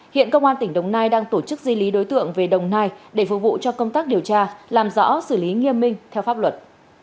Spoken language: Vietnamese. hiện công an tỉnh đồng nai đang tổ chức di lý đối tượng về đồng nai để phục vụ cho công tác điều tra làm rõ xử lý nghiêm minh theo pháp luật